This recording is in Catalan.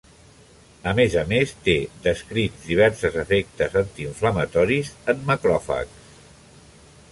A més a més, té descrits diversos efectes antiinflamatoris en macròfags.